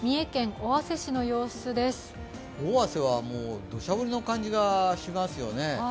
尾鷲はどしゃ降りの感じがしますよね。